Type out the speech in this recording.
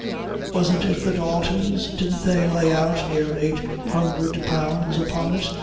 Wasn't it the Daltons? Didn't they lay out near eight hundre pounds upon it?